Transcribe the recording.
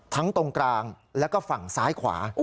ตรงกลางแล้วก็ฝั่งซ้ายขวา